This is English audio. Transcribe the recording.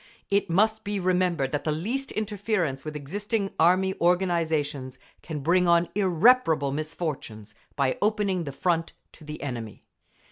It must be remembered that the least interference with existing Army organisations can bring on irreparable misfortunes, by opening the Front to the enemy.